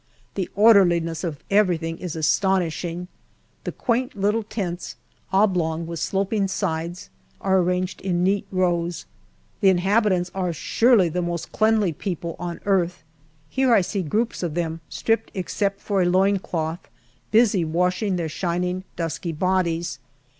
The orderliness of everything is astonishing; the quaint little tents oblong, with sloping sides are arranged in neat rows. The inhabitants are surely the most cleanly people on earth. Here I see groups of them, stripped except for a loin cloth, busy washing their shining, dusky bodies.